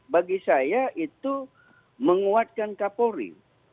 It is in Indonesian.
bagi saya itu menguatkan kapolri